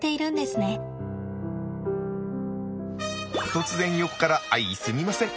突然横から相すみません。